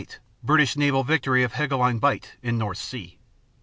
28 British naval victory of Helgoland Bight, in North Sea.